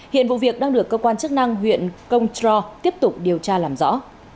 hiện vụ việc đang được cơ quan chức năng huyện công trò tiếp tục điều tra làm rõ